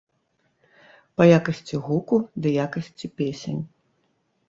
Па якасці гуку ды якасці песень.